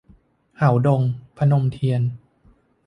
เห่าดง - พนมเทียน